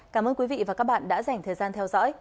cảm ơn quý vị và các bạn đã dành thời gian theo dõi